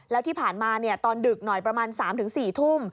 แล้วที่ผ่านมาตอนดึกหน่อยประมาณ๓๔ทุ่ม